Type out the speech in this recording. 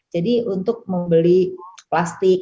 jadi untuk membeli plastik